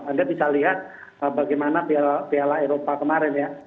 anda bisa lihat bagaimana piala eropa kemarin ya